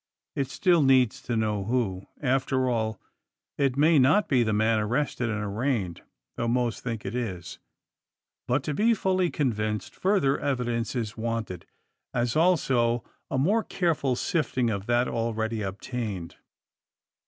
It still needs to know who. After all, it may not be the man arrested and arraigned, though most think it is. But, to be fully convinced, further evidence is wanted; as also a more careful sifting of that already obtained.